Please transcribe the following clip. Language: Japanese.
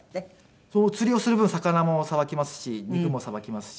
釣りをする分魚もさばきますし肉もさばきますし。